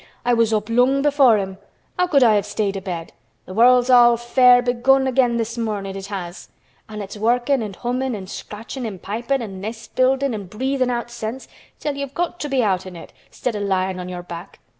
"I was up long before him. How could I have stayed abed! Th' world's all fair begun again this mornin', it has. An' it's workin' an' hummin' an' scratchin' an' pipin' an' nest buildin' an' breathin' out scents, till you've got to be out on it 'stead o' lyin' on your back.